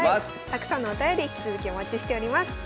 たくさんのお便り引き続きお待ちしております。